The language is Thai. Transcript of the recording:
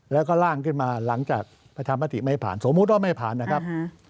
แล้วก็ร่างขึ้นมาหลังจากประชามติไม่ผ่านสมมุติว่าไม่ผ่านนะครับ